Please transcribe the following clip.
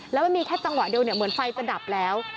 แล้วมันมีแค่จังหวะเดียวเหมือนไฟจะดับแล้ว